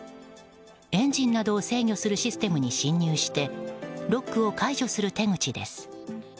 エンジンなどを制御するシステムに侵入してロックを解除するシステムです。